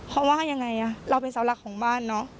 เขาว่ายังไงเราเป็นเสาหลักของบ้านเนอะ